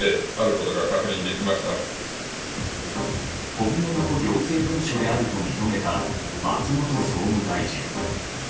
本物の行政文書であると認めた松本総務大臣。